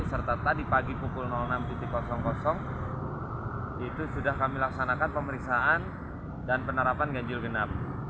serta tadi pagi pukul enam itu sudah kami laksanakan pemeriksaan dan penerapan ganjil genap